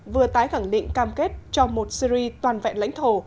vừa tái khẳng định cam kết cho một syri toàn vẹn lãnh thổ